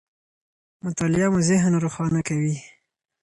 مطالعه مو ذهن روښانه کوي.